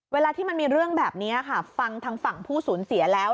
เวลาที่มันมีเรื่องแบบนี้ค่ะฟังทางฝั่งผู้สูญเสียแล้ว